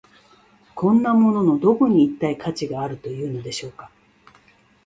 こんなもののどこに、一体価値があるというのでしょうか。